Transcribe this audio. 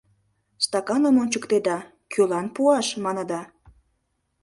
Стаканым ончыктеда, «Кӧлан пуаш?» маныда.